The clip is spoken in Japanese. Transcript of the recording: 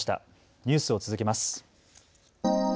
ニュースを続けます。